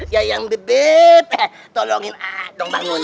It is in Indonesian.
ya yang bebet tolongin adong bangun